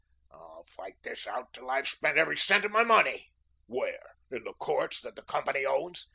"I'll fight this out till I've spent every cent of my money." "Where? In the courts that the company owns?"